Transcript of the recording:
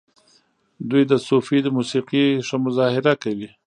دوی د صوفي موسیقۍ ښه مظاهره کوي.